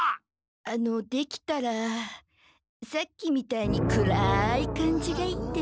あのできたらさっきみたいに暗い感じがいいんですけど。